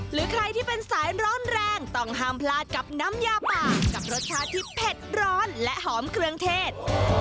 หรือใครที่เป็นสายร้อนแรงต้องห้ามพลาดกับน้ำยาป่ากับรสชาติที่เผ็ดร้อนและหอมเครื่องเทศ